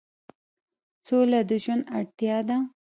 سوله د ژوند اړتیا ده